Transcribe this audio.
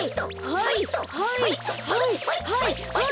はいはいはいはい！